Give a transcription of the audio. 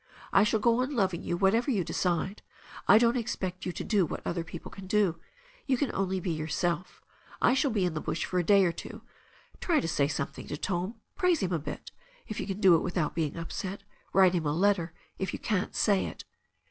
I shall go on loving you whatever you decide. I don't expect you to do what other people can do. You can only be yourself. I shall be in the bush for a day or two. Try to say something to Tom; praise him a bit, if you can do it without being upset Write him a letter if you can't say it."